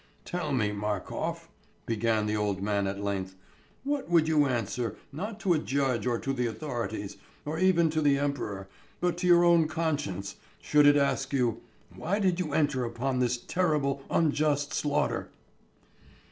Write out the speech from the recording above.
"Tell me, Markof," began the old man at length, "what would you answer, not to a judge or to the authorities, or even to the emperor, but to your own conscience, should it ask you, 'Why did you enter upon this terrible, unjust slaughter?'"